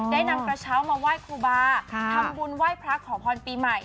ได้นำกระเช้ามาไหว้ครูบาทำบุญไหว้พระขอพรปีใหม่